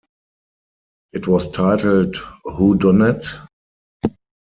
It was titled Whodunnit?